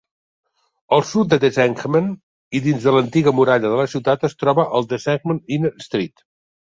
Al sud de Deshengmen i dins de l'antiga muralla de la ciutat es troba el Deshengmen Inner Street.